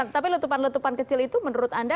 tapi letupan letupan kecil itu menurut anda